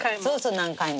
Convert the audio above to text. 何回も？